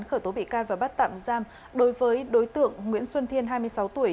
khởi tố bị can và bắt tạm giam đối với đối tượng nguyễn xuân thiên hai mươi sáu tuổi